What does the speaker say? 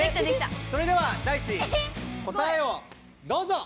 それではダイチ答えをどうぞ！